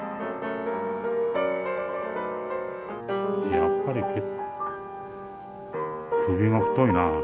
やっぱり首が太いな。